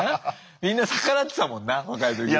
みんな逆らってたもんな若い時は。